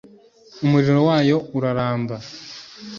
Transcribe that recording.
umuriro wayo uraramba